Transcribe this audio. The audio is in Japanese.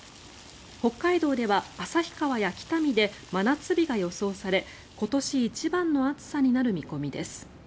北海道では旭川や北見で真夏日が予想され今年一番の暑さになる見込みです。